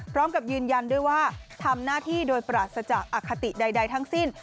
พร้อมกับยืนยันด้วยว่าทำหน้าที่โดยปราศจากอคติใดทั้งสิ้น